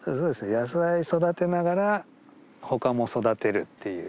野菜育てながら他も育てるっていう。